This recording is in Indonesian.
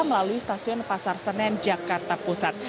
melalui stasiun pasar senen jakarta pusat